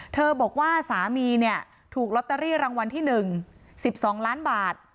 เธอบอกว่าสามีเนี้ยถูกลอตเตอรี่รางวัลที่หนึ่งสิบสองล้านบาท